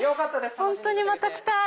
本当にまた来たい！